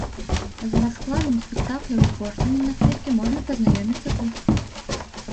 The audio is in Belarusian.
З раскладам спектакляў і коштамі на квіткі можна пазнаёміцца тут.